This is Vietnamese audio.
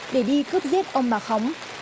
để đi cướp giết ông bà khóng